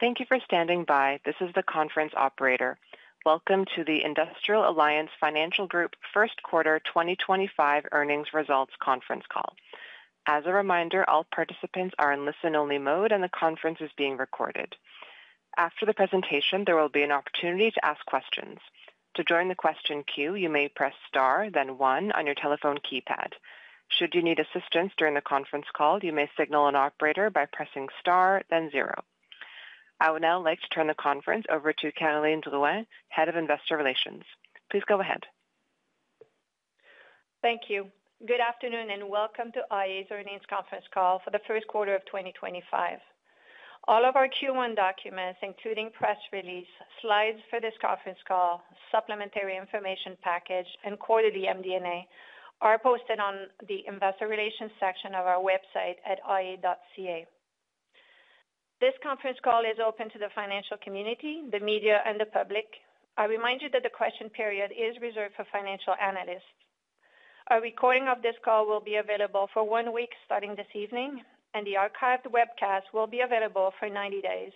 Thank you for standing by. This is the conference operator. Welcome to the iA Financial Group first quarter 2025 Earnings Results Conference Call. As a reminder, all participants are in listen-only mode, and the conference is being recorded. After the presentation, there will be an opportunity to ask questions. To join the question queue, you may press star, then one, on your telephone keypad. Should you need assistance during the conference call, you may signal an operator by pressing star, then zero. I would now like to turn the conference over to Caroline Drouin, Head of Investor Relations. Please go ahead. Thank you. Good afternoon, and welcome to iA's Earnings Conference Call for the first quarter of 2025. All of our Q1 documents, including press release, slides for this conference call, supplementary information package, and quarterly MD&A, are posted on the Investor Relations section of our website at ia.ca. This conference call is open to the financial community, the media, and the public. I remind you that the question period is reserved for financial analysts. A recording of this call will be available for one week starting this evening, and the archived webcast will be available for 90 days,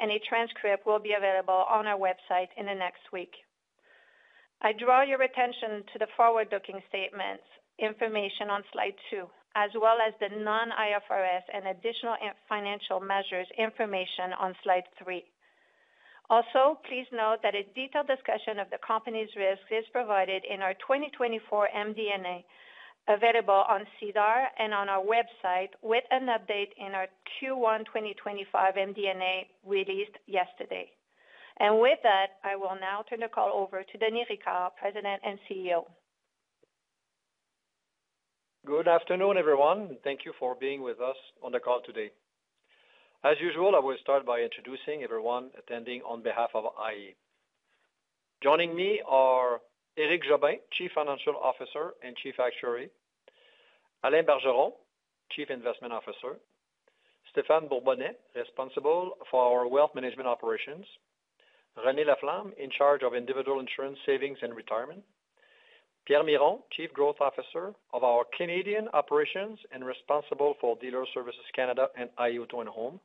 and a transcript will be available on our website in the next week. I draw your attention to the forward-looking statements, information on slide two, as well as the non-IFRS and additional financial measures information on slide three. Also, please note that a detailed discussion of the company's risks is provided in our 2024 MD&A available on SEDAR+ and on our website, with an update in our Q1 2025 MD&A released yesterday. And with that, I will now turn the call over to Denis Ricard, President and CEO. Good afternoon, everyone, and thank you for being with us on the call today. As usual, I will start by introducing everyone attending on behalf of iA. Joining me are Éric Jobin, Chief Financial Officer and Chief Actuary, Alain Bergeron, Chief Investment Officer, Stéphan Bourbonnais, responsible for our Wealth Management Operations, Renée Laflamme, in charge of Individual Insurance, Savings and Retirement, Pierre Miron, Chief Growth Officer of our Canadian Operations and responsible for Dealer Services Canada and iA Auto and Home,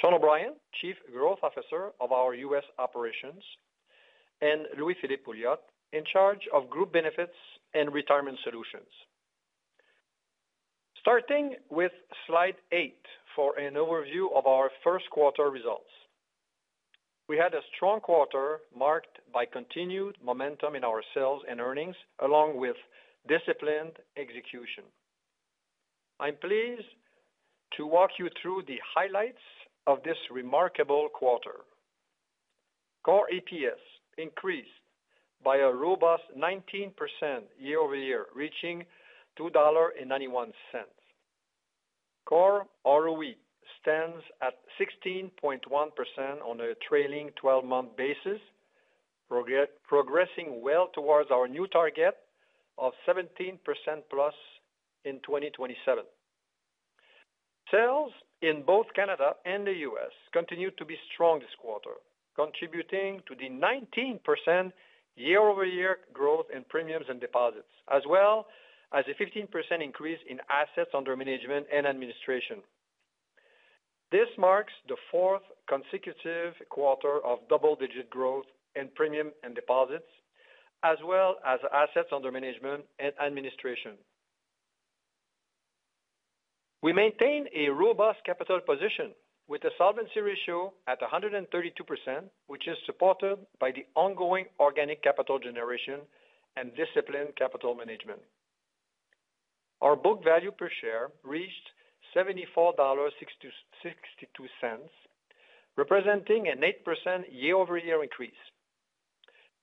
Sean O'Brien, Chief Growth Officer of our US Operations, and Louis-Philippe Pouliot, in charge of Group Benefits and Retirement Solutions. Starting with slide eight for an overview of our first quarter results, we had a strong quarter marked by continued momentum in our sales and earnings, along with disciplined execution. I'm pleased to walk you through the highlights of this remarkable quarter. Core EPS increased by a robust 19% year over year, reaching CAD 2.91. Core ROE stands at 16.1% on a trailing 12-month basis, progressing well towards our new target of 17% plus in 2027. Sales in both Canada and the U.S. continued to be strong this quarter, contributing to the 19% year-over-year growth in premiums and deposits, as well as a 15% increase in assets under management and administration. This marks the fourth consecutive quarter of double-digit growth in premiums and deposits, as well as assets under management and administration. We maintain a robust capital position with a solvency ratio at 132%, which is supported by the ongoing organic capital generation and disciplined capital management. Our book value per share reached 74.62 dollars, representing an 8% year-over-year increase.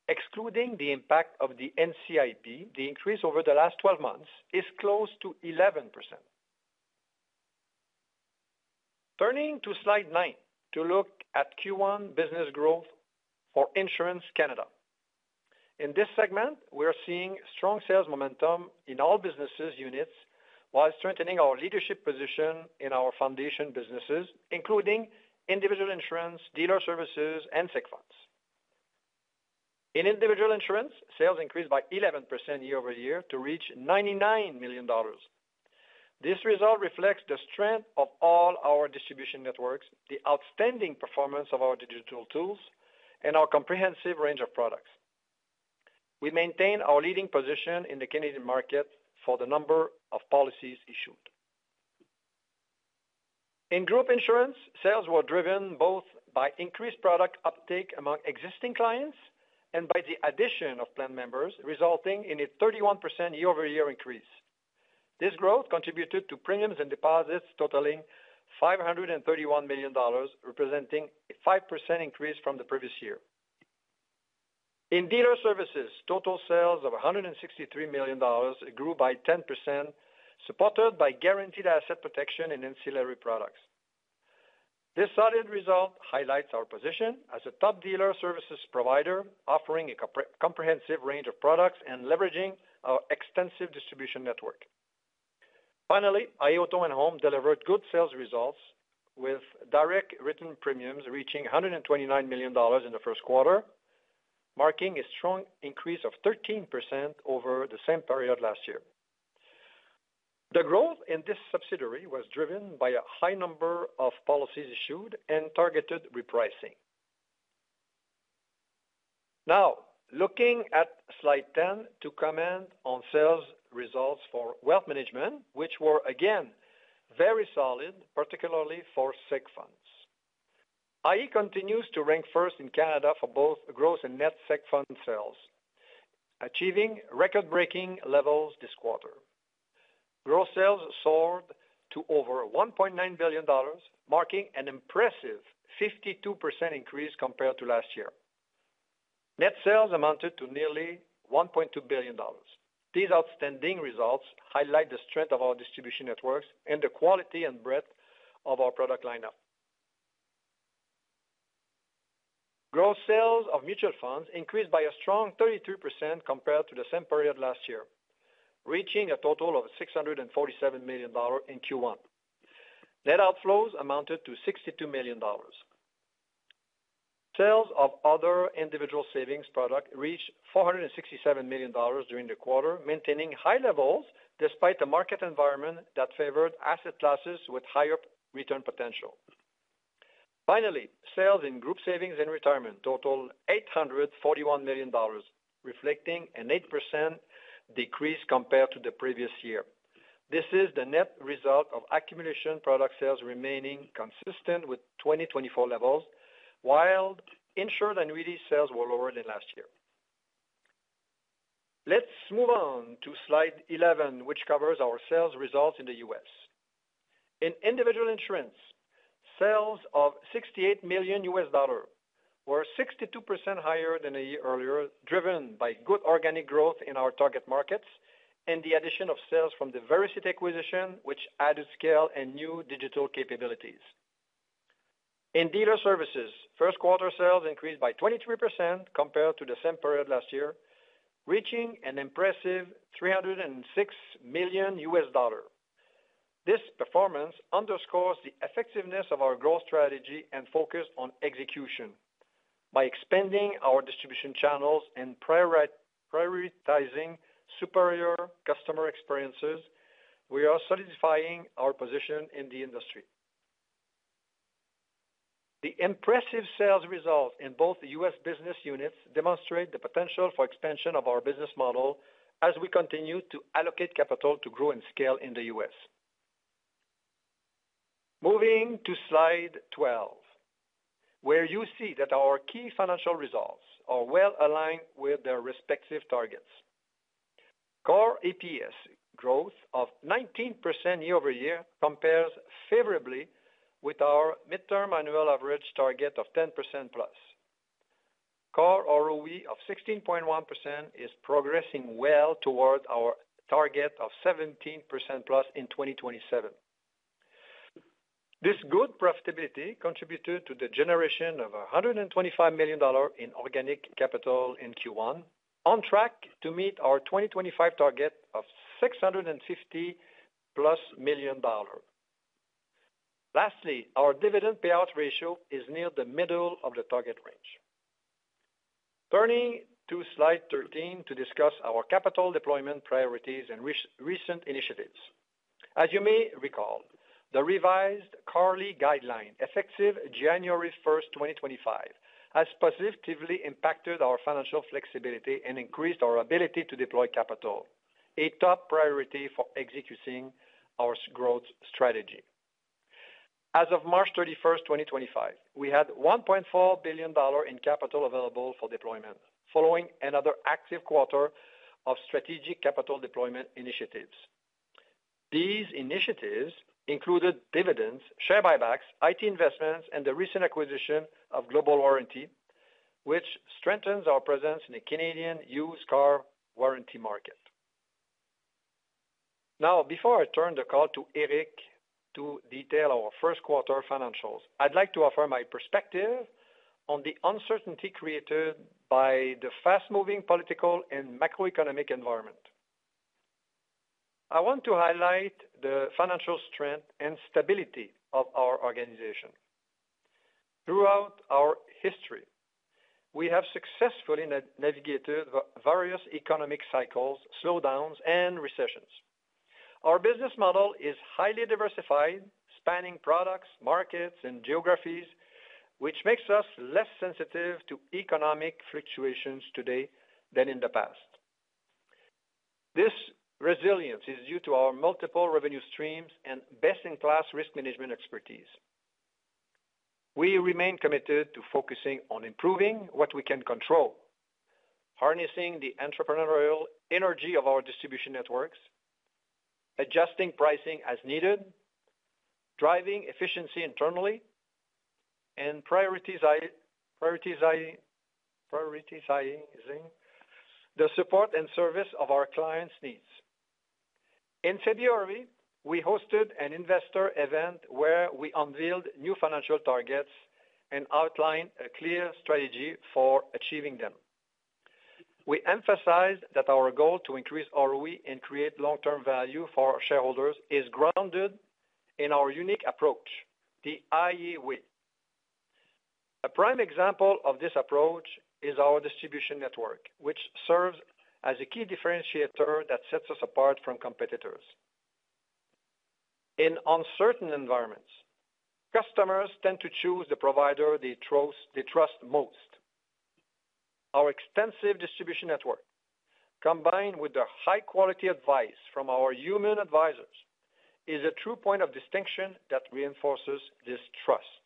Excluding the impact of the NCIB, the increase over the last 12 months is close to 11%. Turning to slide nine to look at Q1 business growth for Insurance Canada. In this segment, we are seeing strong sales momentum in all business units while strengthening our leadership position in our foundation businesses, including Individual Insurance, Dealer Services, and Segregated Funds. In Individual Insurance, sales increased by 11% year-over-year to reach 99 million dollars. This result reflects the strength of all our distribution networks, the outstanding performance of our digital tools, and our comprehensive range of products. We maintain our leading position in the Canadian market for the number of policies issued. In Group Insurance, sales were driven both by increased product uptake among existing clients and by the addition of plan members, resulting in a 31% year-over-year increase. This growth contributed to premiums and deposits totaling 531 million dollars, representing a 5% increase from the previous year. In Dealer Services, total sales of 163 million dollars grew by 10%, supported by guaranteed asset protection and ancillary products. This solid result highlights our position as a top Dealer Services provider, offering a comprehensive range of products and leveraging our extensive distribution network. Finally, iA Auto and Home delivered good sales results, with direct written premiums reaching 129 million dollars in the first quarter, marking a strong increase of 13% over the same period last year. Now, looking at slide 10 to comment on sales results for Wealth Management, which were, again, very solid, particularly for segregated funds. iA continues to rank first in Canada for both gross and net segregated fund sales, achieving record-breaking levels this quarter. Gross sales soared to over 1.9 billion dollars, marking an impressive 52% increase compared to last year. Net sales amounted to nearly 1.2 billion dollars. These outstanding results highlight the strength of our distribution networks and the quality and breadth of our product lineup. Gross sales of mutual funds increased by a strong 33% compared to the same period last year, reaching a total of 647 million dollars in Q1. Net outflows amounted to 62 million dollars. Sales of other individual savings products reached 467 million dollars during the quarter, maintaining high levels despite the market environment that favored asset classes with higher return potential. Finally, sales in group savings and retirement totaled 841 million dollars, reflecting an 8% decrease compared to the previous year. This is the net result of accumulation product sales remaining consistent with 2024 levels, while insured annuity sales were lower than last year. Let's move on to slide 11, which covers our sales results in the US. In Individual Insurance, sales of CAD 68 million were 62% higher than a year earlier, driven by good organic growth in our target markets and the addition of sales from the Vericity acquisition, which added scale and new digital capabilities. In Dealer Services, first-quarter sales increased by 23% compared to the same period last year, reaching an impressive CAD 306 million. This performance underscores the effectiveness of our growth strategy and focus on execution. By expanding our distribution channels and prioritizing superior customer experiences, we are solidifying our position in the industry. The impressive sales results in both U.S. business units demonstrate the potential for expansion of our business model as we continue to allocate capital to grow and scale in the U.S. Moving to slide 12, where you see that our key financial results are well aligned with their respective targets. Core EPS growth of 19% year-over-year compares favorably with our midterm annual average target of 10% plus. Core ROE of 16.1% is progressing well toward our target of 17% plus in 2027. This good profitability contributed to the generation of 125 million dollars in organic capital in Q1, on track to meet our 2025 target of 650 plus million. Lastly, our dividend payout ratio is near the middle of the target range. Turning to slide 13 to discuss our capital deployment priorities and recent initiatives. As you may recall, the revised CAR guideline, effective January 1, 2025, has positively impacted our financial flexibility and increased our ability to deploy capital, a top priority for executing our growth strategy. As of March 31, 2025, we had 1.4 billion dollars in capital available for deployment, following another active quarter of strategic capital deployment initiatives. These initiatives included dividends, share buybacks, IT investments, and the recent acquisition of Global Warranty, which strengthens our presence in the Canadian used car warranty market. Now, before I turn the call to Éric to detail our first quarter financials, I'd like to offer my perspective on the uncertainty created by the fast-moving political and macroeconomic environment. I want to highlight the financial strength and stability of our organization. Throughout our history, we have successfully navigated various economic cycles, slowdowns, and recessions. Our business model is highly diversified, spanning products, markets, and geographies, which makes us less sensitive to economic fluctuations today than in the past. This resilience is due to our multiple revenue streams and best-in-class risk management expertise. We remain committed to focusing on improving what we can control, harnessing the entrepreneurial energy of our distribution networks, adjusting pricing as needed, driving efficiency internally, and prioritizing the support and service of our clients' needs. In February, we hosted an investor event where we unveiled new financial targets and outlined a clear strategy for achieving them. We emphasized that our goal to increase ROE and create long-term value for our shareholders is grounded in our unique approach, the iA Way. A prime example of this approach is our distribution network, which serves as a key differentiator that sets us apart from competitors. In uncertain environments, customers tend to choose the provider they trust most. Our extensive distribution network, combined with the high-quality advice from our human advisors, is a true point of distinction that reinforces this trust.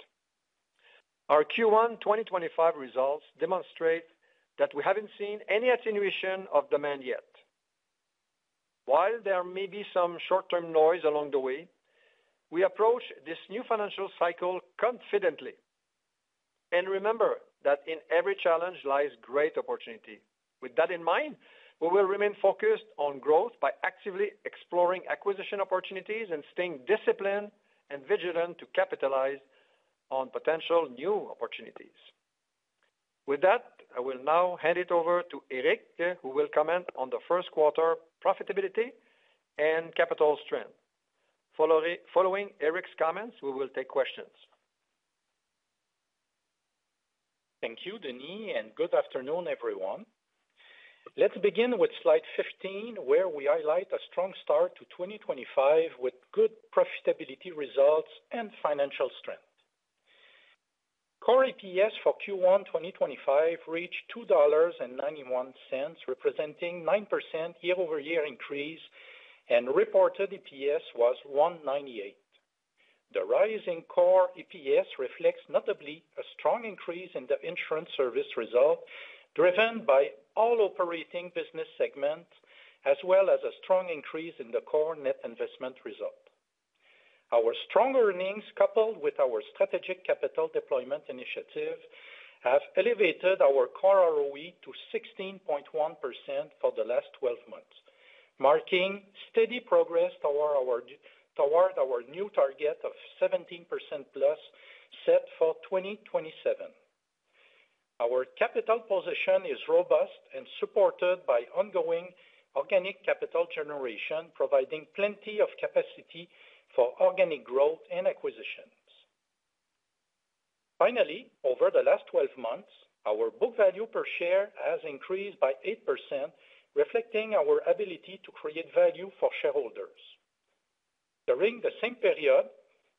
Our Q1 2025 results demonstrate that we haven't seen any attenuation of demand yet. While there may be some short-term noise along the way, we approach this new financial cycle confidently and remember that in every challenge lies great opportunity. With that in mind, we will remain focused on growth by actively exploring acquisition opportunities and staying disciplined and vigilant to capitalize on potential new opportunities. With that, I will now hand it over to Éric, who will comment on the first quarter profitability and capital strength. Following Éric's comments, we will take questions. Thank you, Denis, and good afternoon, everyone. Let's begin with slide 15, where we highlight a strong start to 2025 with good profitability results and financial strength. Core EPS for Q1 2025 reached 2.91 dollars, representing a 9% year-over-year increase, and reported EPS was 1.98. The rising Core EPS reflects notably a strong increase in the insurance service result, driven by all operating business segments, as well as a strong increase in the Core net investment result. Our strong earnings, coupled with our strategic capital deployment initiative, have elevated our Core ROE to 16.1% for the last 12 months, marking steady progress toward our new target of 17% plus set for 2027. Our capital position is robust and supported by ongoing organic capital generation, providing plenty of capacity for organic growth and acquisitions. Finally, over the last 12 months, our book value per share has increased by 8%, reflecting our ability to create value for shareholders. During the same period,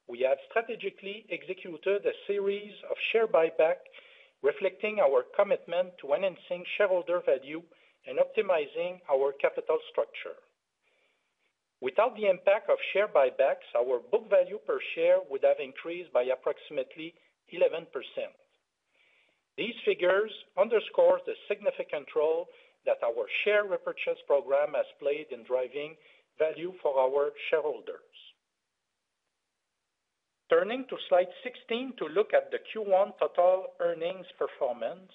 we have strategically executed a series of share buybacks, reflecting our commitment to enhancing shareholder value and optimizing our capital structure. Without the impact of share buybacks, our book value per share would have increased by approximately 11%. These figures underscore the significant role that our share repurchase program has played in driving value for our shareholders. Turning to slide 16 to look at the Q1 total earnings performance,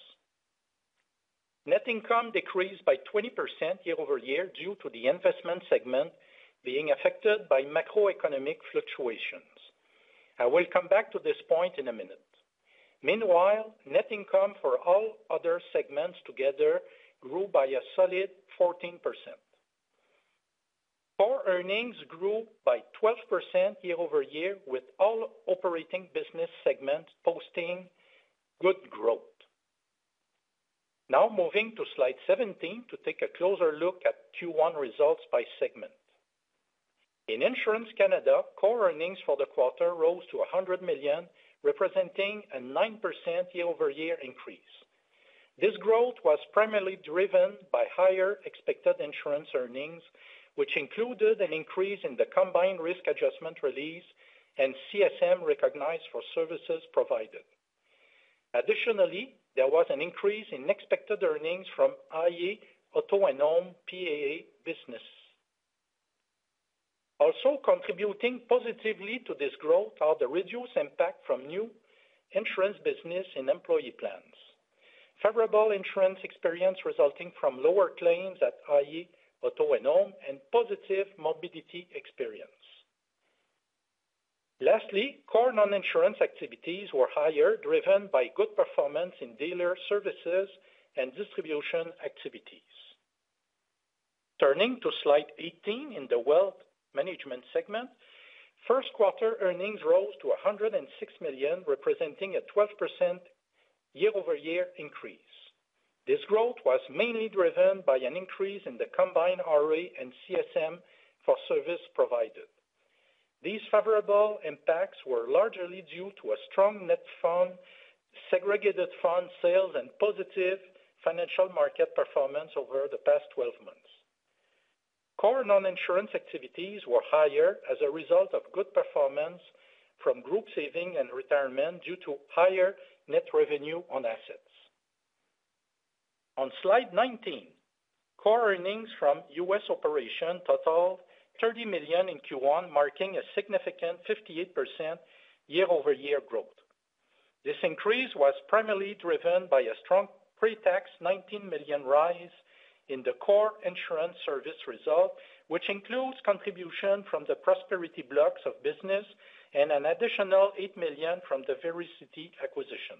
net income decreased by 20% year-over-year due to the investment segment being affected by macroeconomic fluctuations. I will come back to this point in a minute. Meanwhile, net income for all other segments together grew by a solid 14%. Core earnings grew by 12% year-over-year, with all operating business segments posting good growth. Now, moving to slide 17 to take a closer look at Q1 results by segment. In insurance, Canada's core earnings for the quarter rose to 100 million, representing a 9% year-over-year increase. This growth was primarily driven by higher expected insurance earnings, which included an increase in the combined risk adjustment release and CSM recognized for services provided. Additionally, there was an increase in expected earnings from iA Auto and Home PAA business. Also contributing positively to this growth are the reduced impact from new insurance business and employee plans, favorable insurance experience resulting from lower claims at iA Auto and Home, and positive morbidity experience. Lastly, core non-insurance activities were higher, driven by good performance in dealer services and distribution activities. Turning to slide 18 in the Wealth Management segment, first-quarter earnings rose to 106 million, representing a 12% year-over-year increase. This growth was mainly driven by an increase in the combined ROE and CSM for service provided. These favorable impacts were largely due to a strong net segregated fund sales and positive financial market performance over the past 12 months. Core non-insurance activities were higher as a result of good performance from Group Savings and Retirement due to higher net revenue on assets. On slide 19, core earnings from U.S. operations totaled 30 million in Q1, marking a significant 58% year-over-year growth. This increase was primarily driven by a strong pre-tax 19 million rise in the core insurance service result, which includes contributions from the Prosperity blocks of business and an additional 8 million from the Vericity acquisition.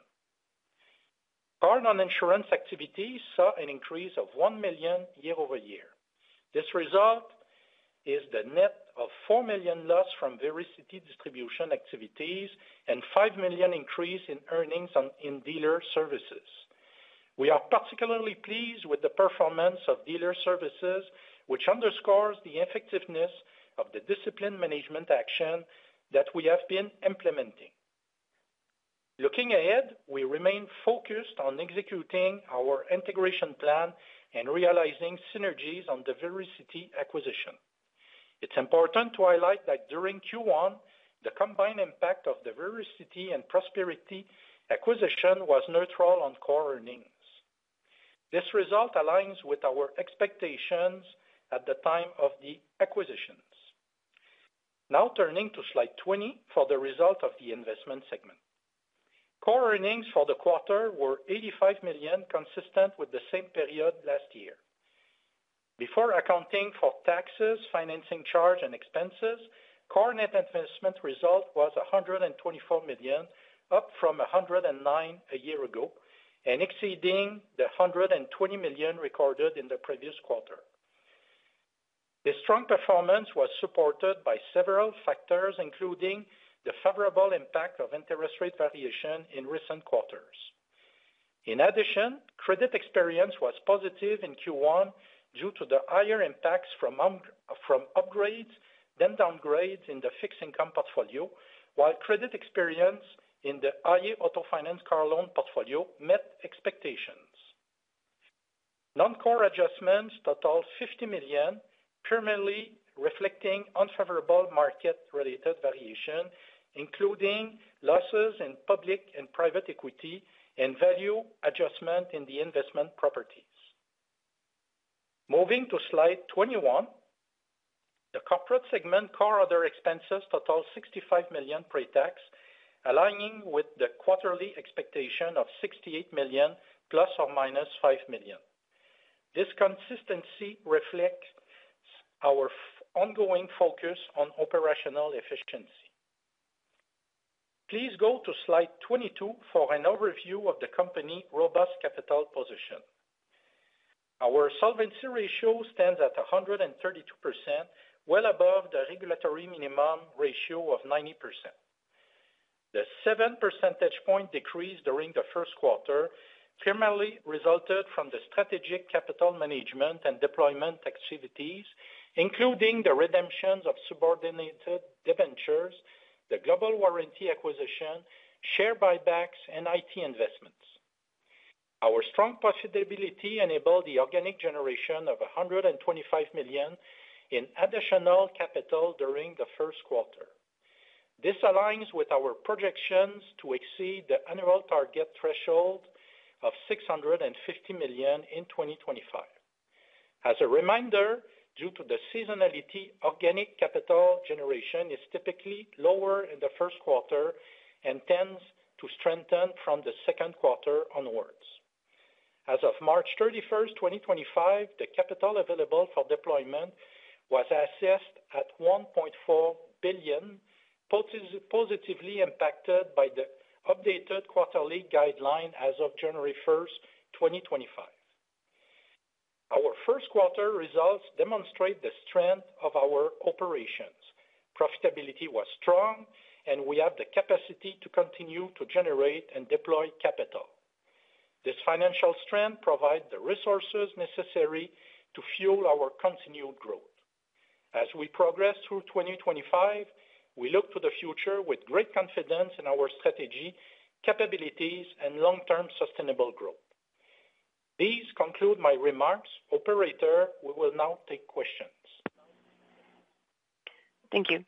Core non-insurance activities saw an increase of 1 million year-over-year. This result is the net of 4 million loss from Vericity distribution activities and a 5 million increase in earnings in Dealer Services. We are particularly pleased with the performance of Dealer Services, which underscores the effectiveness of the discipline management action that we have been implementing. Looking ahead, we remain focused on executing our integration plan and realizing synergies on the Vericity acquisition. It's important to highlight that during Q1, the combined impact of the Vericity and Prosperity acquisition was neutral on core earnings. This result aligns with our expectations at the time of the acquisitions. Now, turning to slide 20 for the result of the investment segment, core earnings for the quarter were 85 million, consistent with the same period last year. Before accounting for taxes, financing charges, and expenses, core net investment result was 124 million, up from 109 million a year ago and exceeding the 120 million recorded in the previous quarter. This strong performance was supported by several factors, including the favorable impact of interest rate variation in recent quarters. In addition, credit experience was positive in Q1 due to the higher impacts from upgrades than downgrades in the fixed income portfolio, while credit experience in the iA Auto Finance car loan portfolio met expectations. Non-core adjustments totaled 50 million, primarily reflecting unfavorable market-related variation, including losses in public and private equity and value adjustment in the investment properties. Moving to slide 21, the corporate segment core other expenses totaled 65 million pre-tax, aligning with the quarterly expectation of 68 million plus or minus 5 million. This consistency reflects our ongoing focus on operational efficiency. Please go to slide 22 for an overview of the company's robust capital position. Our solvency ratio stands at 132%, well above the regulatory minimum ratio of 90%. The seven percentage point decrease during the first quarter primarily resulted from the strategic capital management and deployment activities, including the redemptions of subordinated debentures, the Global Warranty acquisition, share buybacks, and IT investments. Our strong profitability enabled the organic generation of 125 million in additional capital during the first quarter. This aligns with our projections to exceed the annual target threshold of 650 million in 2025. As a reminder, due to the seasonality, organic capital generation is typically lower in the first quarter and tends to strengthen from the second quarter onwards. As of March 31, 2025, the capital available for deployment was assessed at 1.4 billion, positively impacted by the updated quarterly guideline as of January 1, 2025. Our first quarter results demonstrate the strength of our operations. Profitability was strong, and we have the capacity to continue to generate and deploy capital. This financial strength provides the resources necessary to fuel our continued growth. As we progress through 2025, we look to the future with great confidence in our strategy, capabilities, and long-term sustainable growth. These conclude my remarks. Operator, we will now take questions. Thank you.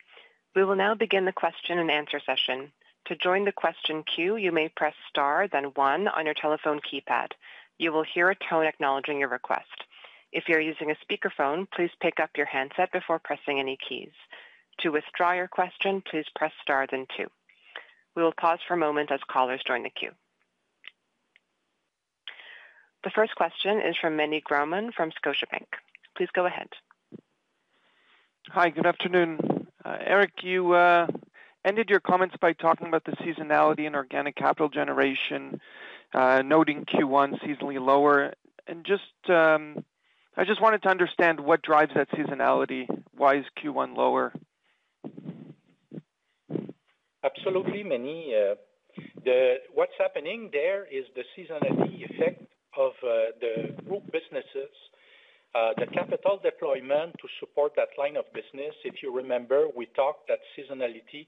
We will now begin the question and answer session. To join the question queue, you may press star, then one on your telephone keypad. You will hear a tone acknowledging your request. If you're using a speakerphone, please pick up your handset before pressing any keys. To withdraw your question, please press star, then two. We will pause for a moment as callers join the queue. The first question is from Meny Grauman from Scotiabank. Please go ahead. Hi, good afternoon. Éric, you ended your comments by talking about the seasonality and organic capital generation, noting Q1 seasonally lower. I just wanted to understand what drives that seasonality. Why is Q1 lower? Absolutely, Meny. What's happening there is the seasonality effect of the group businesses, the capital deployment to support that line of business. If you remember, we talked that seasonality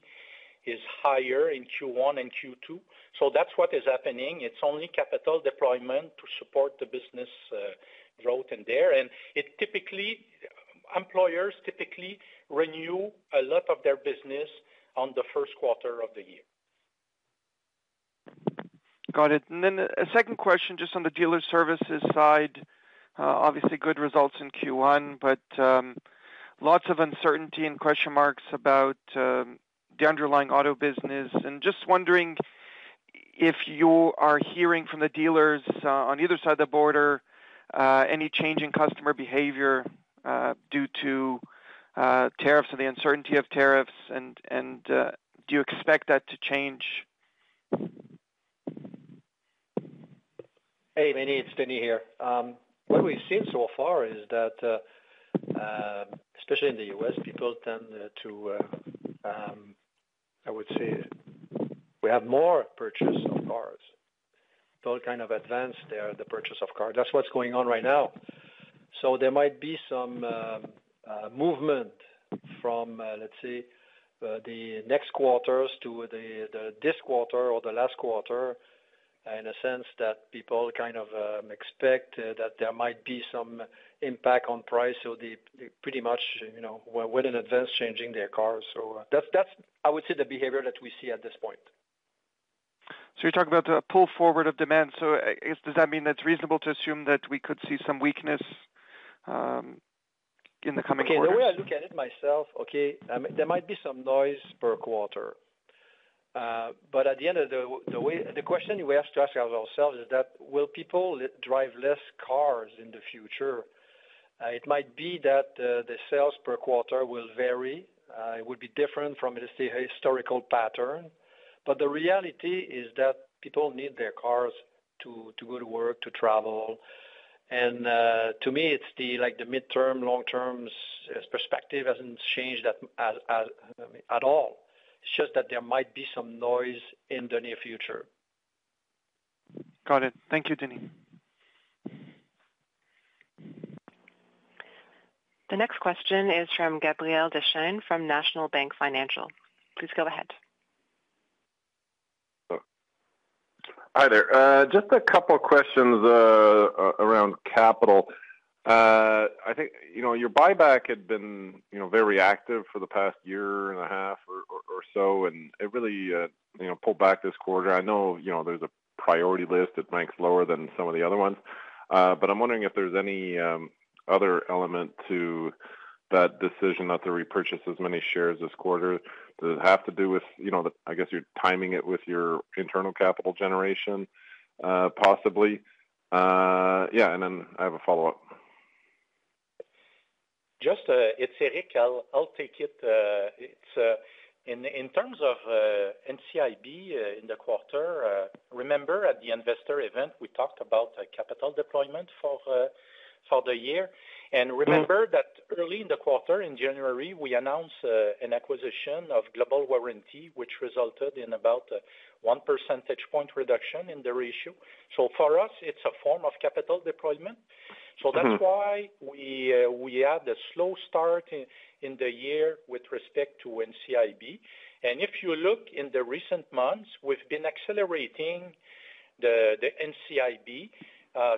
is higher in Q1 and Q2. So that's what is happening. It's only capital deployment to support the business growth in there. And employers typically renew a lot of their business on the first quarter of the year. Got it. Then a second question just on the dealer services side. Obviously, good results in Q1, but lots of uncertainty and question marks about the underlying auto business. And just wondering if you are hearing from the dealers on either side of the border any change in customer behavior due to tariffs and the uncertainty of tariffs. And do you expect that to change? Hey, Meny. It's Denis here. What we've seen so far is that, especially in the US, people tend to, I would say, we have more purchase of cars. Do kind of advance the purchase of cars. That's what's going on right now. So there might be some movement from, let's say, the next quarters to this quarter or the last quarter, in a sense that people kind of expect that there might be some impact on price. So they pretty much went in advance changing their cars. So that's, I would say, the behavior that we see at this point. So you're talking about a pull forward of demand. So does that mean that it's reasonable to assume that we could see some weakness in the coming quarter? Okay. The way I look at it myself, okay, there might be some noise per quarter. But at the end of the day, the question we have to ask ourselves is that will people drive less cars in the future? It might be that the sales per quarter will vary. It would be different from the historical pattern. But the reality is that people need their cars to go to work, to travel. And to me, it's the midterm, long-term perspective hasn't changed at all. It's just that there might be some noise in the near future. Got it. Thank you, Denis. The next question is from Gabriel Dechaine from National Bank Financial. Please go ahead. Hi there. Just a couple of questions around capital. I think your buyback had been very active for the past year and a half or so, and it really pulled back this quarter. I know there's a priority list that ranks lower than some of the other ones. But I'm wondering if there's any other element to that decision not to repurchase as many shares this quarter. Does it have to do with, I guess, you're timing it with your internal capital generation, possibly? Yeah. And then I have a follow-up. It's Éric. I'll take it. In terms of NCIB in the quarter, remember at the investor event, we talked about capital deployment for the year. And remember that early in the quarter, in January, we announced an acquisition of Global Warranty, which resulted in about a 1 percentage point reduction in the ratio. So for us, it's a form of capital deployment. So that's why we had a slow start in the year with respect to NCIB. And if you look in the recent months, we've been accelerating the NCIB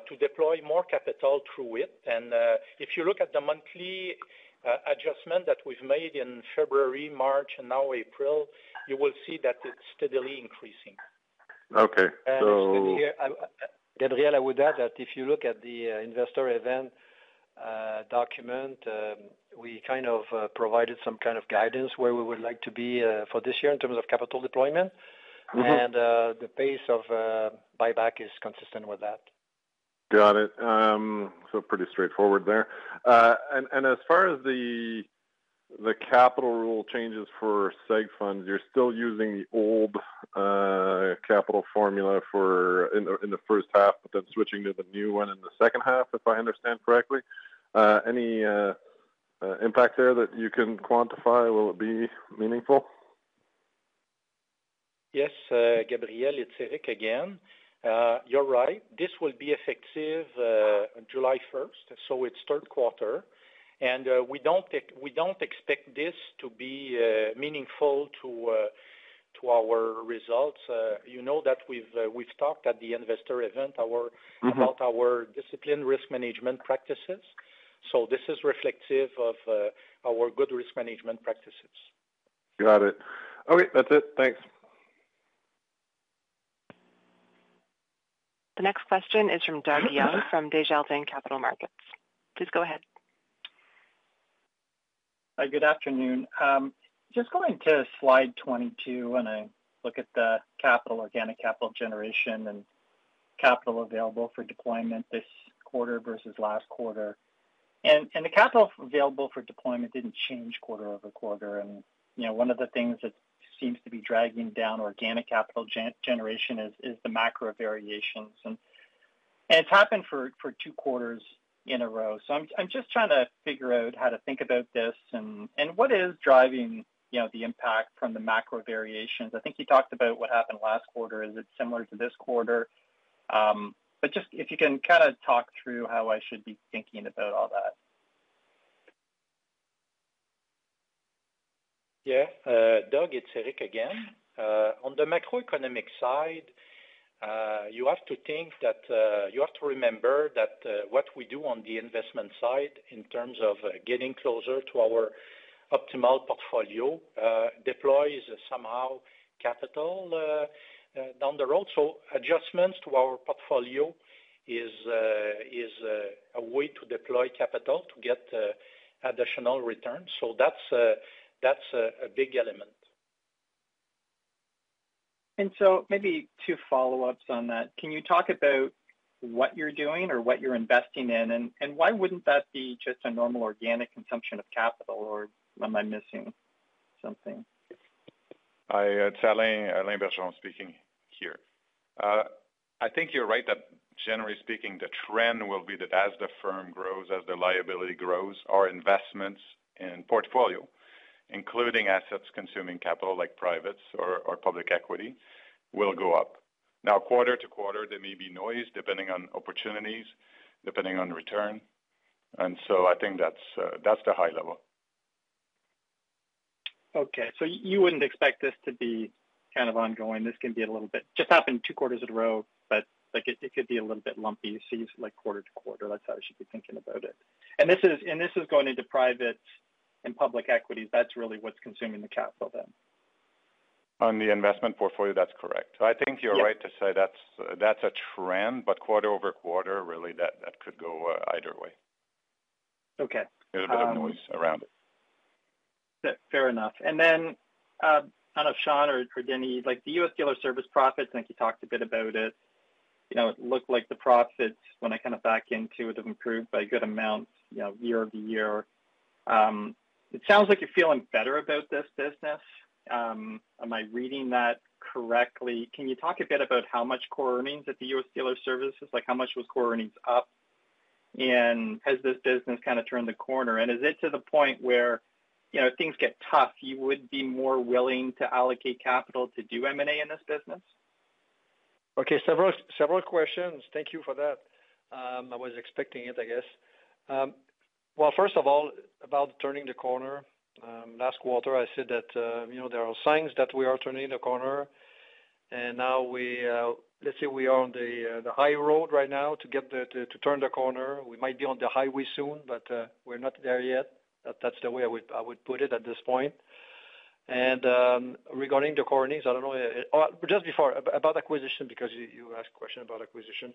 to deploy more capital through it. If you look at the monthly adjustment that we've made in February, March, and now April, you will see that it's steadily increasing. Okay. So Gabriel, I would add that if you look at the investor event document, we kind of provided some kind of guidance where we would like to be for this year in terms of capital deployment. And the pace of buyback is consistent with that. Got it. So pretty straightforward there. And as far as the capital rule changes for segregated funds, you're still using the old capital formula in the first half, but then switching to the new one in the second half, if I understand correctly. Any impact there that you can quantify? Will it be meaningful? Yes. Gabriel, it's Éric again. You're right. This will be effective on July 1st. So it's third quarter. We don't expect this to be meaningful to our results. You know that we've talked at the investor event about our disciplined risk management practices. So this is reflective of our good risk management practices. Got it. Okay. That's it. Thanks. The next question is from Doug Young from Desjardins Capital Markets. Please go ahead. Hi, good afternoon. Just going to slide 22 when I look at the capital, organic capital generation, and capital available for deployment this quarter versus last quarter. And the capital available for deployment didn't change quarter over quarter. And one of the things that seems to be dragging down organic capital generation is the macro variations. And it's happened for two quarters in a row. So I'm just trying to figure out how to think about this and what is driving the impact from the macro variations. I think you talked about what happened last quarter. Is it similar to this quarter, but just if you can kind of talk through how I should be thinking about all that. Yeah. Doug, it's Éric again. On the macroeconomic side, you have to think that you have to remember that what we do on the investment side in terms of getting closer to our optimal portfolio deploys somehow capital down the road. So adjustments to our portfolio is a way to deploy capital to get additional returns. So that's a big element, and so maybe two follow-ups on that. Can you talk about what you're doing or what you're investing in? And why wouldn't that be just a normal organic consumption of capital? Or am I missing something? Hi, it's Alain Bergeron speaking here. I think you're right that, generally speaking, the trend will be that as the firm grows, as the liability grows, our investments in portfolio, including assets consuming capital like privates or public equity, will go up. Now, quarter to quarter, there may be noise depending on opportunities, depending on return. And so I think that's the high level. Okay. So you wouldn't expect this to be kind of ongoing. This can be a little bit just happened two quarters in a row, but it could be a little bit lumpy. So you see quarter to quarter. That's how I should be thinking about it. And this is going into privates and public equities. That's really what's consuming the capital then. On the investment portfolio, that's correct. I think you're right to say that's a trend, but quarter over quarter, really, that could go either way. There's a bit of noise around it. Fair enough, and then I don't know if Sean or Denis, the U.S. Dealer Services profits, I think you talked a bit about it. It looked like the profits, when I kind of back into it, have improved by a good amount year over year. It sounds like you're feeling better about this business. Am I reading that correctly? Can you talk a bit about how much core earnings at the U.S. Dealer Services? How much was core earnings up? And has this business kind of turned the corner? And is it to the point where things get tough, you would be more willing to allocate capital to do M&A in this business? Okay. Several questions. Thank you for that. I was expecting it, I guess. First of all, about turning the corner. Last quarter, I said that there are signs that we are turning the corner. And now, let's say we are on the high road right now to turn the corner. We might be on the highway soon, but we're not there yet. That's the way I would put it at this point. And regarding the core earnings, I don't know. Just before, about acquisition, because you asked a question about acquisition.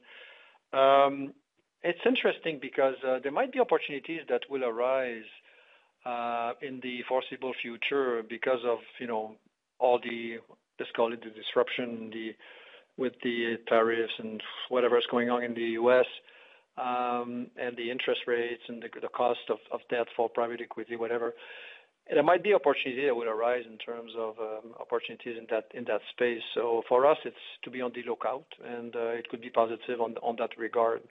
It's interesting because there might be opportunities that will arise in the foreseeable future because of all the, let's call it, the disruption with the tariffs and whatever's going on in the U.S. and the interest rates and the cost of debt for private equity, whatever. There might be opportunity that would arise in terms of opportunities in that space. So for us, it's to be on the lookout, and it could be positive on that regard.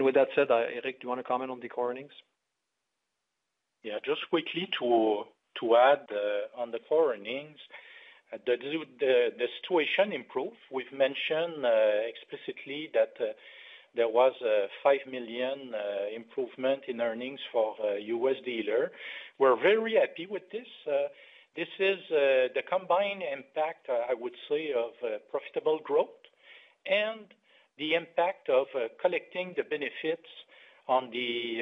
With that said, Éric, do you want to comment on the core earnings? Yeah. Just quickly to add on the core earnings, the situation improved. We've mentioned explicitly that there was a 5 million improvement in earnings for U.S. dealer. We're very happy with this. This is the combined impact, I would say, of profitable growth and the impact of collecting the benefits on the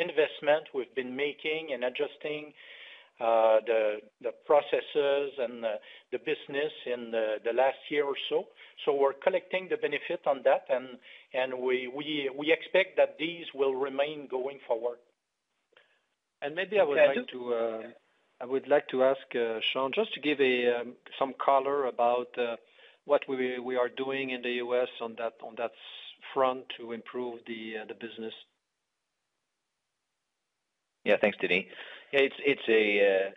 investment we've been making and adjusting the processes and the business in the last year or so. So we're collecting the benefit on that, and we expect that these will remain going forward. Maybe I would like to ask Sean just to give some color about what we are doing in the U.S. on that front to improve the business. Yeah. Thanks, Denis. Yeah. It's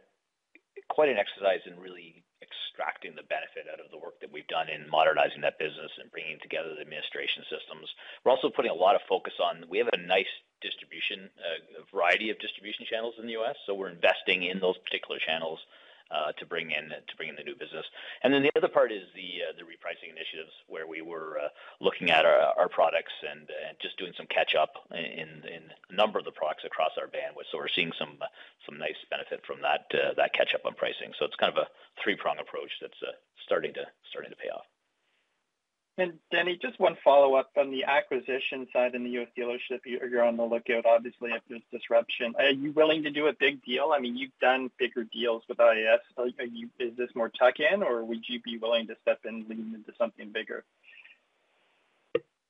quite an exercise in really extracting the benefit out of the work that we've done in modernizing that business and bringing together the administration systems. We're also putting a lot of focus on, we have a nice variety of distribution channels in the U.S. So we're investing in those particular channels to bring in the new business. And then the other part is the repricing initiatives where we were looking at our products and just doing some catch-up in a number of the products across our bandwidth. So we're seeing some nice benefit from that catch-up on pricing. So it's kind of a three-prong approach that's starting to pay off. Denis, just one follow-up on the acquisition side in the U.S. dealer services. You're on the lookout, obviously, after this disruption. Are you willing to do a big deal? I mean, you've done bigger deals with iA's. Is this more tuck-in, or would you be willing to step in, lean into something bigger?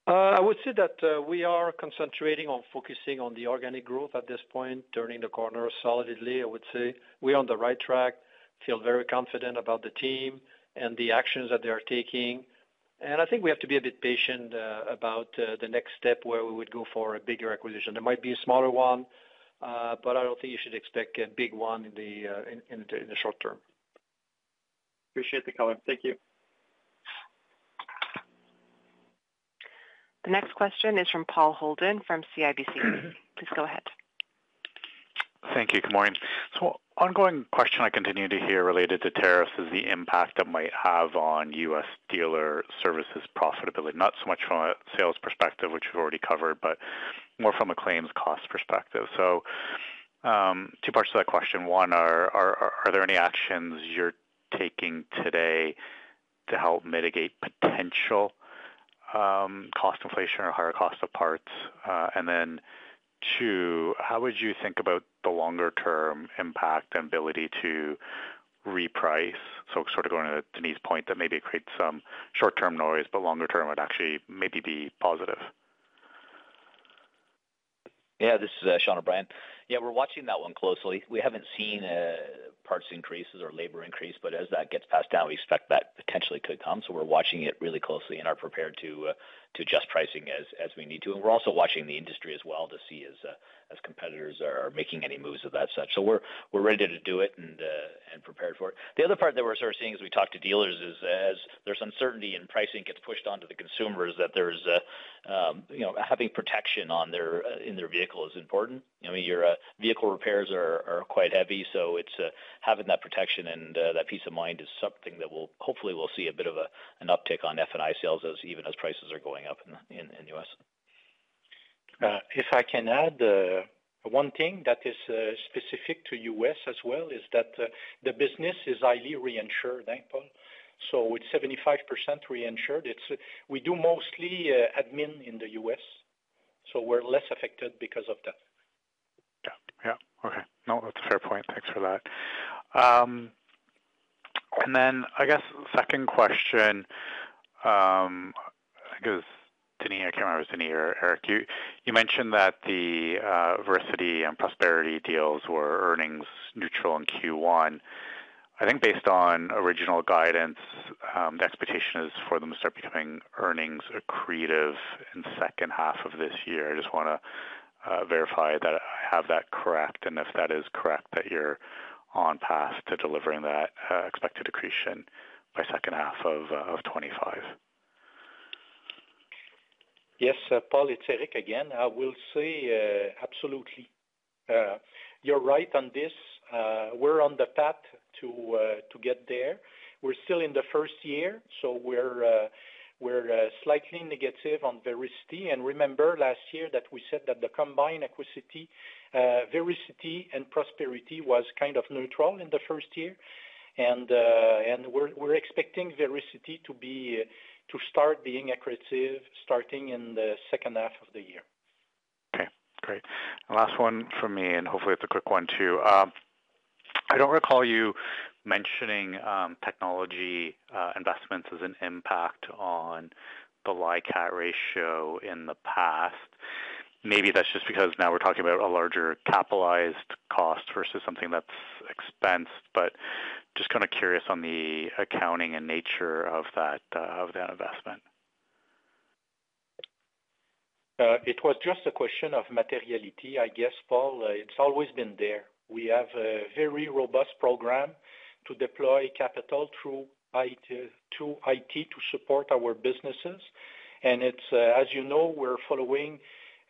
I would say that we are concentrating on focusing on the organic growth at this point, turning the corner solidly, I would say. We're on the right track. Feel very confident about the team and the actions that they are taking. I think we have to be a bit patient about the next step where we would go for a bigger acquisition. There might be a smaller one, but I don't think you should expect a big one in the short term. Appreciate the comment. Thank you. The next question is from Paul Holden from CIBC. Please go ahead. Thank you. Good morning. So ongoing question I continue to hear related to tariffs is the impact that might have on U.S. Dealer Services profitability. Not so much from a sales perspective, which we've already covered, but more from a claims cost perspective. So two parts to that question. One, are there any actions you're taking today to help mitigate potential cost inflation or higher cost of parts? And then two, how would you think about the longer-term impact and ability to reprice? So sort of going to Denis's point that maybe it creates some short-term noise, but longer-term would actually maybe be positive. Yeah. This is Sean O'Brien. Yeah. We're watching that one closely. We haven't seen parts increases or labor increase, but as that gets passed down, we expect that potentially could come. So we're watching it really closely and are prepared to adjust pricing as we need to. And we're also watching the industry as well to see as competitors are making any moves of that such. We're ready to do it and prepared for it. The other part that we're sort of seeing as we talk to dealers is as there's uncertainty and pricing gets pushed onto the consumers, that having protection in their vehicle is important. Your vehicle repairs are quite heavy. So having that protection and that peace of mind is something that hopefully we'll see a bit of an uptick on F&I sales even as prices are going up in the U.S. If I can add one thing that is specific to U.S. as well is that the business is highly reinsured, Paul. So it's 75% reinsured. We do mostly admin in the U.S. So we're less affected because of that. Yeah. Yeah. Okay. No, that's a fair point. Thanks for that. And then I guess second question, I guess, Denis, I can't remember if it's Denis or Éric. You mentioned that the Vericity and Prosperity deals were earnings neutral in Q1. I think based on original guidance, the expectation is for them to start becoming earnings accretive in the second half of this year. I just want to verify that I have that correct. And if that is correct, that you're on path to delivering that expected accretion by the second half of 2025. Yes. Paul, it's Éric again. I will say absolutely. You're right on this. We're on the path to get there. We're still in the first year. So we're slightly negative on Vericity. And remember last year that we said that the combined equity, Vericity, and Prosperity was kind of neutral in the first year. And we're expecting Vericity to start being accretive starting in the second half of the year. Okay. Great. Last one for me, and hopefully it's a quick one too. I don't recall you mentioning technology investments as an impact on the LICAT ratio in the past. Maybe that's just because now we're talking about a larger capitalized cost versus something that's expensed. But just kind of curious on the accounting and nature of that investment. It was just a question of materiality, I guess, Paul. It's always been there. We have a very robust program to deploy capital through IT to support our businesses. And as you know, we're following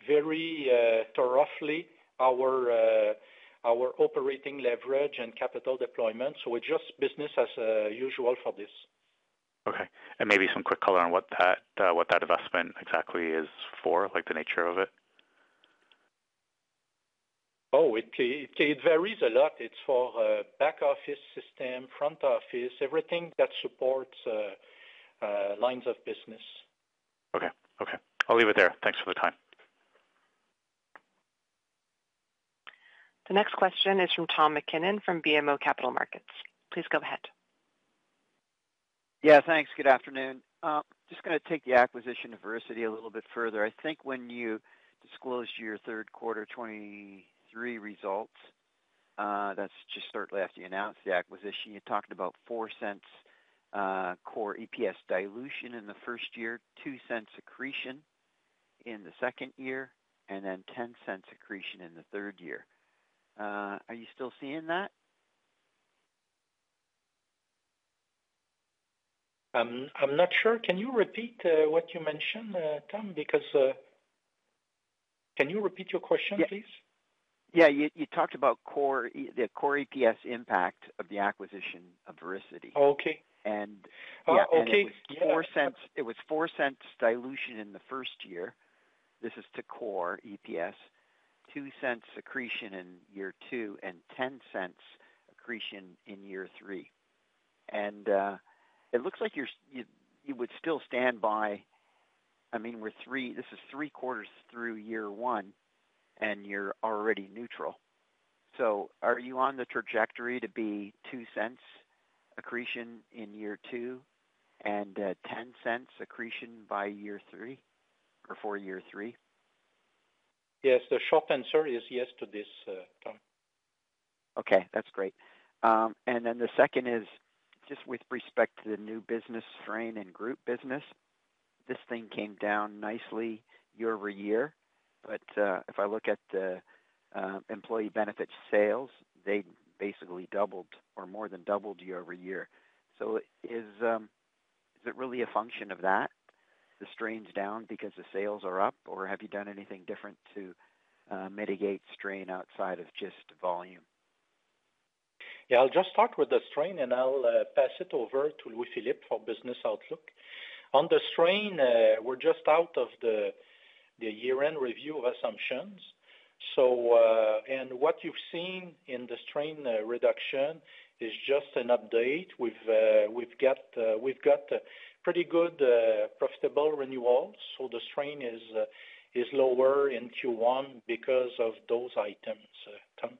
very roughly our operating leverage and capital deployment. So it's just business as usual for this. Okay. And maybe some quick color on what that investment exactly is for, like the nature of it. Oh, it varies a lot. It's for back office system, front office, everything that supports lines of business. Okay. Okay. I'll leave it there. Thanks for the time. The next question is from Tom MacKinnon from BMO Capital Markets. Please go ahead. Yeah. Thanks. Good afternoon. Just going to take the acquisition of Vericity a little bit further. I think when you disclosed your third quarter 2023 results, that's just shortly after you announced the acquisition, you talked about 0.04 core EPS dilution in the first year, 0.02 accretion in the second year, and then 0.10 accretion in the third year. Are you still seeing that? I'm not sure. Can you repeat what you mentioned, Tom? Can you repeat your question, please? Yeah. You talked about the core EPS impact of the acquisition of Vericity. And yeah, it was 0.04 dilution in the first year. This is to core EPS, 0.02 accretion in year two, and 0.10 accretion in year three. And it looks like you would still stand by. I mean, this is three quarters through year one, and you're already neutral. So are you on the trajectory to be 0.02 accretion in year two and 0.10 accretion by year three or for year three? Yes. The short answer is yes to this, Tom. Okay. That's great, and then the second is just with respect to the new business strain and group business. This thing came down nicely year over year. But if I look at employee benefits sales, they basically doubled or more than doubled year over year. So is it really a function of that, the strain's down because the sales are up, or have you done anything different to mitigate strain outside of just volume? Yeah. I'll just start with the strain, and I'll pass it over to Louis-Philippe for business outlook. On the strain, we're just out of the year-end review of assumptions. What you've seen in the strain reduction is just an update. We've got pretty good profitable renewals. So the strain is lower in Q1 because of those items, Tom.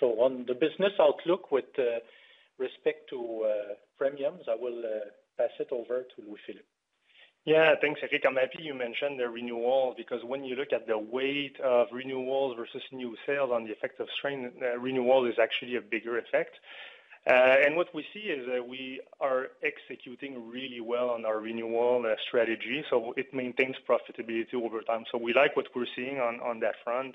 So on the business outlook with respect to premiums, I will pass it over to Louis-Philippe. Yeah. Thanks, Éric. And I think you mentioned the renewals because when you look at the weight of renewals versus new sales on the effect of strain, renewal is actually a bigger effect. And what we see is we are executing really well on our renewal strategy. So it maintains profitability over time. So we like what we're seeing on that front.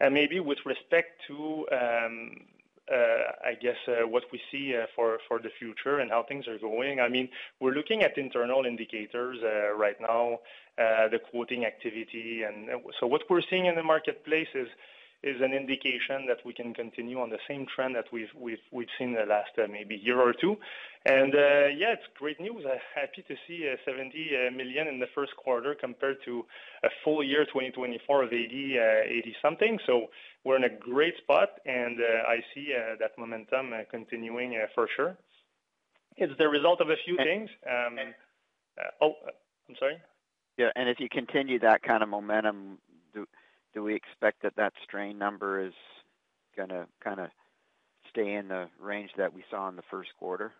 And maybe with respect to, I guess, what we see for the future and how things are going, I mean, we're looking at internal indicators right now, the quoting activity. What we're seeing in the marketplace is an indication that we can continue on the same trend that we've seen the last maybe year or two. Yeah, it's great news. Happy to see 70 million in the first quarter compared to a full year 2024 of 80-something. We're in a great spot. I see that momentum continuing for sure.It's the result of a few things. Oh, I'm sorry. Yeah. If you continue that kind of momentum, do we expect that that strain number is going to kind of stay in the range that we saw in the first quarter?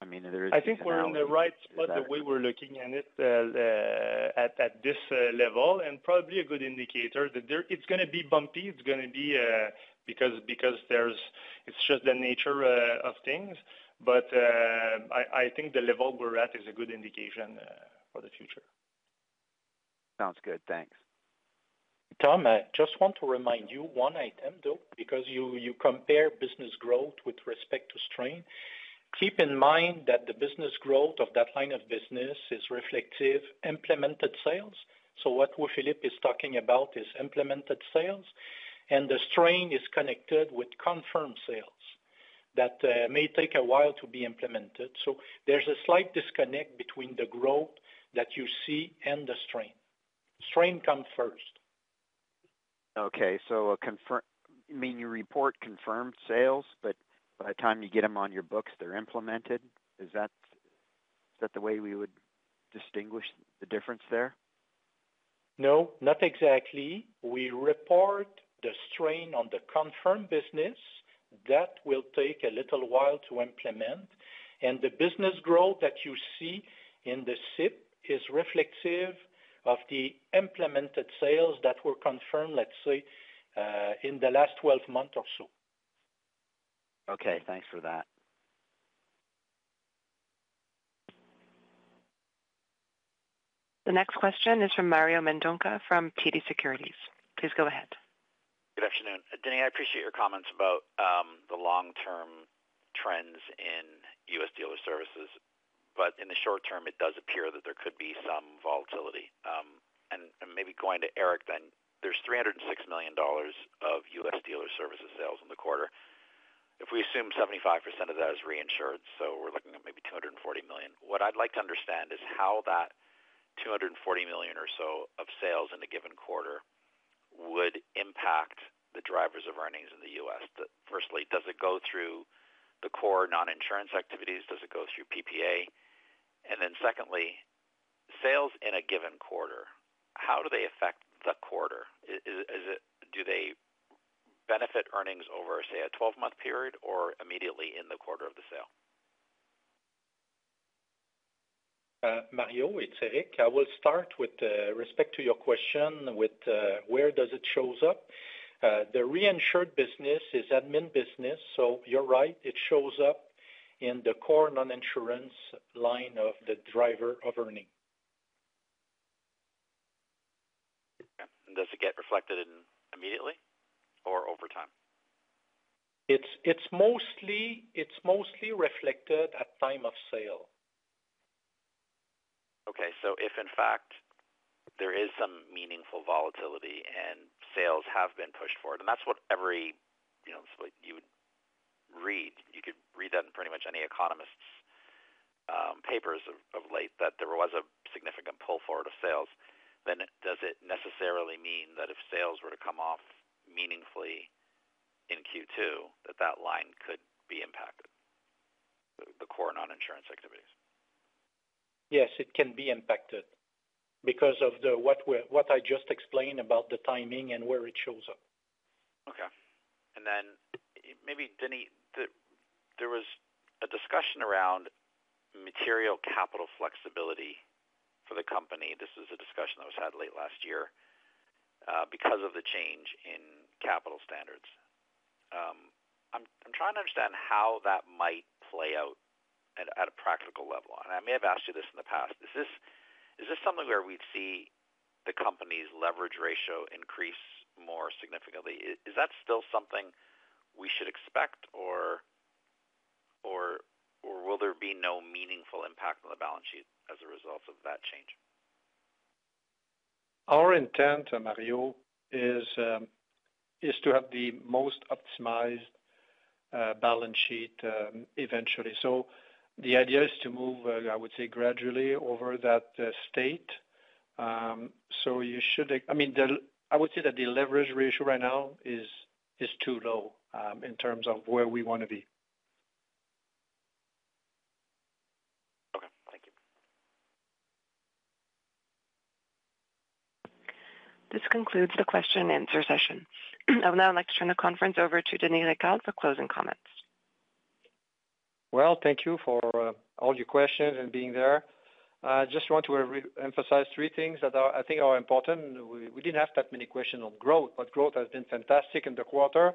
I mean, there is a certain. I think we're on the right spot that we were looking at this level and probably a good indicator that it's going to be bumpy. It's going to be because it's just the nature of things. But I think the level we're at is a good indication for the future. Sounds good. Thanks. Tom, I just want to remind you of one item, though, because you compare business growth with respect to strain. Keep in mind that the business growth of that line of business is reflective of implemented sales. So what Louis-Philippe is talking about is implemented sales. And the strain is connected with confirmed sales that may take a while to be implemented. So there's a slight disconnect between the growth that you see and the strain. Strain comes first. Okay. So you report confirmed sales, but by the time you get them on your books, they're implemented. Is that the way we would distinguish the difference there? No, not exactly. We report the strain on the confirmed business. That will take a little while to implement. The business growth that you see in the SIP is reflective of the implemented sales that were confirmed, let's say, in the last 12 months or so. Okay. Thanks for that. The next question is from Mario Mendonca from TD Securities. Please go ahead. Good afternoon. Denis, I appreciate your comments about the long-term trends in US dealer services. But in the short term, it does appear that there could be some volatility. And maybe going to Éric then, there's 306 million dollars of US dealer services sales in the quarter. If we assume 75% of that is reinsured, so we're looking at maybe 240 million. What I'd like to understand is how that 240 million or so of sales in a given quarter would impact the drivers of earnings in the US. Firstly, does it go through the core non-insurance activities? Does it go through PAA? And then secondly, sales in a given quarter, how do they affect the quarter? Do they benefit earnings over, say, a 12-month period or immediately in the quarter of the sale? Mario, it's Éric. I will start with respect to your question with where does it show up. The reinsured business is admin business. So you're right. It shows up in the core non-insurance line of the driver of earning. Okay. And does it get reflected immediately or over time? It's mostly reflected at time of sale. Okay. So if in fact there is some meaningful volatility and sales have been pushed forward, and that's what everywhere you would read. You could read that in pretty much any economist's papers of late that there was a significant pull forward of sales. Then does it necessarily mean that if sales were to come off meaningfully in Q2, that that line could be impacted, the core non-insurance activities? Yes, it can be impacted because of what I just explained about the timing and where it shows up. Okay. And then maybe, Denis, there was a discussion around material capital flexibility for the company. This is a discussion that was had late last year because of the change in capital standards. I'm trying to understand how that might play out at a practical level. And I may have asked you this in the past. Is this something where we'd see the company's leverage ratio increase more significantly? Is that still something we should expect, or will there be no meaningful impact on the balance sheet as a result of that change? Our intent, Mario, is to have the most optimized balance sheet eventually. So the idea is to move, I would say, gradually over that state. So you should, I mean, I would say that the leverage ratio right now is too low in terms of where we want to be. Okay. Thank you. This concludes the question-and-answer session. Now I'd like to turn the conference over to Denis Ricard for closing comments. Well, thank you for all your questions and being there. I just want to emphasize three things that I think are important. We didn't have that many questions on growth, but growth has been fantastic in the quarter.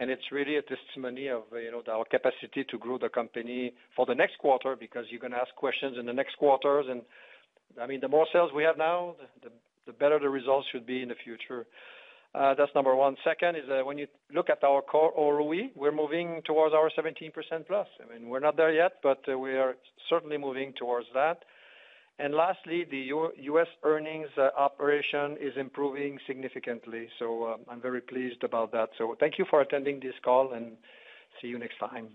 And it's really a testimony of our capacity to grow the company for the next quarter because you're going to ask questions in the next quarters. And I mean, the more sales we have now, the better the results should be in the future. That's number one. Second is when you look at our Core ROE, we're moving towards our 17% plus. I mean, we're not there yet, but we are certainly moving towards that. And lastly, the U.S. operations are improving significantly. So I'm very pleased about that. So thank you for attending this call, and see you next time.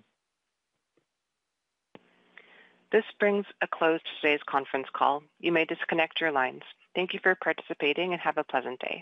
This brings to a close today's conference call. You may disconnect your lines. Thank you for participating and have a pleasant day.